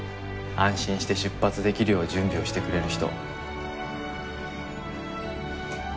安心して出発できるよう準備をしてくれる人。